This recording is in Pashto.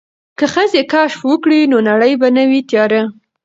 که ښځې کشف وکړي نو نړۍ به نه وي تیاره.